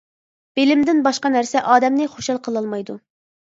بىلىمدىن باشقا نەرسە ئادەمنى خۇشال قىلالمايدۇ.